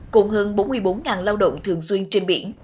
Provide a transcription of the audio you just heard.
cùng hơn bốn mươi bốn lao động thường xuyên trên biển